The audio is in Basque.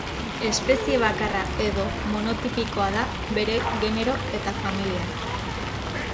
Espezie bakarra edo monotipikoa da bere genero eta familian.